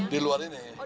di luar ini